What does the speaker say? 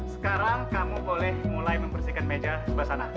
sekarang kamu boleh mulai membersihkan meja sebasana